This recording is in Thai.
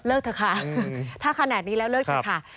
เถอะค่ะถ้าขนาดนี้แล้วเลิกเถอะค่ะ